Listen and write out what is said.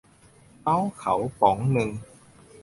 เมาส์เขาป๋องนึง